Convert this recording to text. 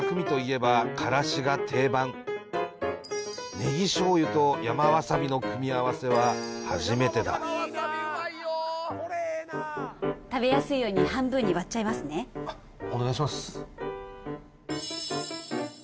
ネギ醤油と山わさびの組み合わせは初めてだ食べやすいように半分に割っちゃいますねお願いします